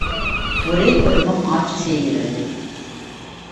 ஒரே குடும்பம் ஆட்சி செய்கிறது.